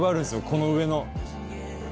この上の。